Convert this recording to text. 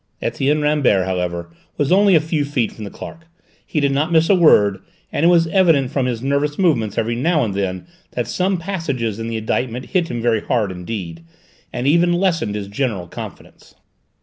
Etienne Rambert, however, was only a few feet from the clerk; he did not miss a word, and it was evident from his nervous movements every now and then that some passages in the indictment hit him very hard indeed, and even lessened his general confidence.